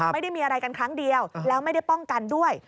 ไม่ได้มีอะไรกันครั้งเดียวแล้วไม่ได้ป้องกันด้วย